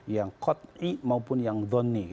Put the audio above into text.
yang kod i maupun yang dhoni